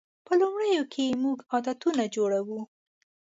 په لومړیو کې موږ عادتونه جوړوو.